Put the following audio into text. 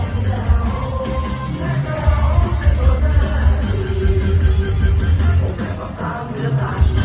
สามสิบเป็นเดาและเราเป็นตัวหน้าที่